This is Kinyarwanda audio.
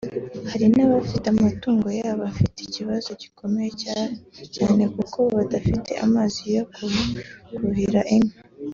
hari n’abafite amatungo yabo afite ikibazo gikomeye cyane kuko badafite amazi yo kuhira inka